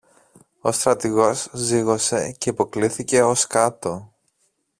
Ο στρατηγός ζύγωσε και υποκλίθηκε ως κάτω.